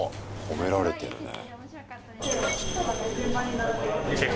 褒められてるね。